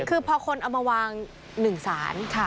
คือพอคนเอามาวางหนึ่งสาร